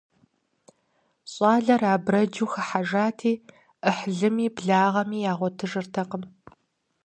ЩӀалэр абрэджу хыхьэжати, Ӏыхьлыми благъэми ягъуэтыжыртэкъым.